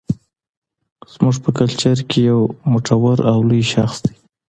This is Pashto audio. زموږ په کلچر کې يو مټور او لوى شخص دى